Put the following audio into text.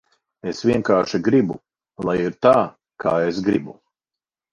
Es vienkārši gribu, lai ir tā, kā es gribu.